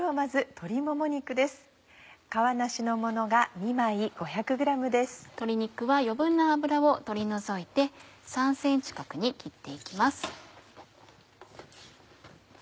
鶏肉は余分な脂を取り除いて３ｃｍ角に切って行きます。